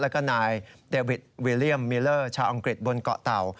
แล้วก็นายเดวิดวิลเลี่ยมมิลเลอร์ชาวอังกฤษบนเกาะเต่า